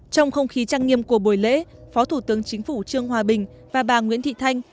trong không khí trang nghiêm của buổi lễ phó thủ tướng chính phủ trương hòa bình và bà nguyễn thị thanh